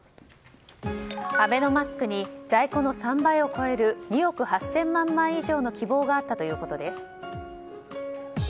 アベノマスクに在庫の３倍を超える２億８０００万枚以上の希望があったということです。